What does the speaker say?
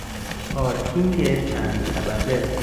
پارکینگ چند طبقه